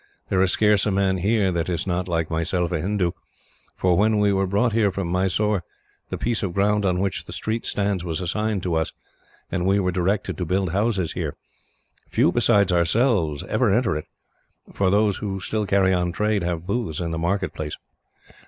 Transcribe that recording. There is scarce a man here that is not, like myself, a Hindoo, for when we were brought here from Mysore, the piece of ground on which the street stands was assigned to us, and we were directed to build houses here. Few besides ourselves ever enter it, for those who still carry on trade have booths in the marketplace.